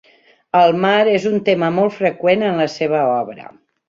El mar és un tema molt freqüent en la seva obra.